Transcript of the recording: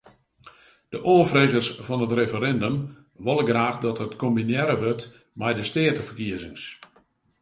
De oanfregers fan it referindum wolle graach dat it kombinearre wurdt mei de steateferkiezings.